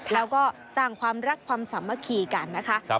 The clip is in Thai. แล้วก็สร้างความรักความสามัคคีกันนะคะ